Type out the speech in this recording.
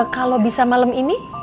kalau bisa malam ini